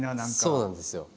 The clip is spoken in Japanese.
そうなんですよ。